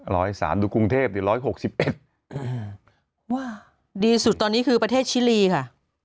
ร้อยสามดูกรุงเทพฯดูร้อยหกสิบเอ็ดว้าวดีสุดตอนนี้คือประเทศชิลีค่ะ